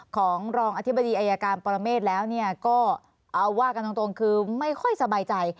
ของรองอธิบดีอายการปรเมฆแล้วก็เอาว่ากันตรงคือไม่ค่อยสบายใจ